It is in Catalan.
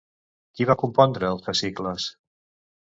Qui va compondre els fascicles?